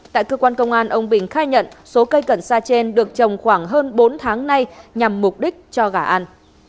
tại cơ quan công an ông bình khai nhận số cây cần sa trên được trồng khoảng hơn bốn tháng nay nhằm mục đích cho gà ăn